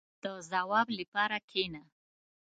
• د ځواب لپاره کښېنه.